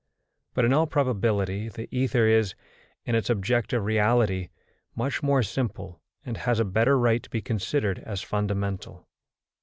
But in all probability the ether is, in its objective reality, much more simple, and has a better right to be considered as fundamental.